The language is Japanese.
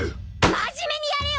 真面目にやれよ！